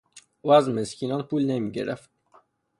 او از مسکینان پول نمیگرفت.